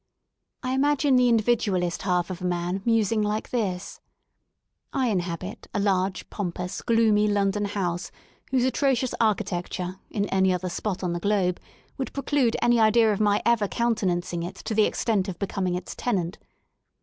I imagine the Individualist half of a man musing like this: '* I inhabit a large, pompous, gloomy London house whose atrocious architecture, in any other spot on the globe, would preclude any idea of my ever countenancing it to the extent of becoming its tenant.